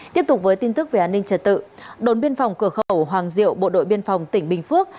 tiếp tục với tin tức về an ninh trật tự đồn biên phòng cửa khẩu hoàng diệu bộ đội biên phòng tỉnh bình phước